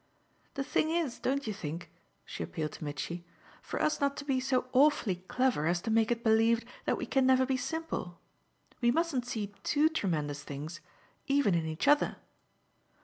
"The thing is, don't you think?" she appealed to Mitchy "for us not to be so awfully clever as to make it believed that we can never be simple. We mustn't see TOO tremendous things even in each other."